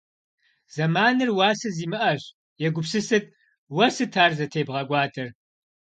Зэманыр уасэ зимыӏэщ. Егупсысыт, уэ сыт ар зытебгъэкӏуадэр?